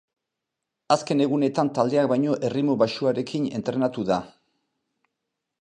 Azken egunetan taldeak baino erritmo baxuarekin entrenatu da.